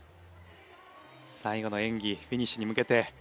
最後の演技フィニッシュに向けて。